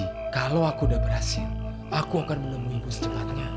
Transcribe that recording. janji kalau aku udah berhasil aku akan menemui ibu secepatnya